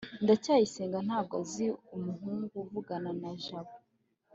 ndacyayisenga ntabwo azi umuhungu uvugana na jabo